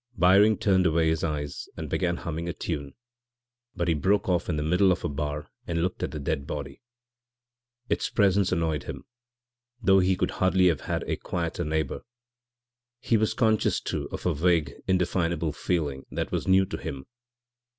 Byring turned away his eyes and began humming a tune, but he broke off in the middle of a bar and looked at the dead body. Its presence annoyed him, though he could hardly have had a quieter neighbour. He was conscious, too, of a vague, indefinable feeling that was new to him.